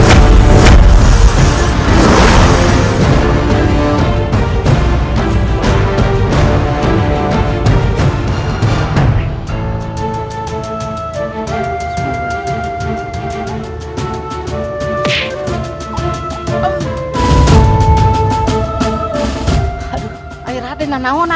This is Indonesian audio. sebentar lagi ada pergantian jaga